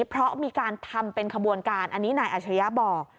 เพราะมีการทำเป็นขบวนการอันนี้นายอัชริยะบอก